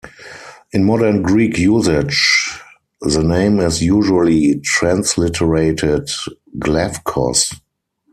In modern Greek usage, the name is usually transliterated "Glafkos".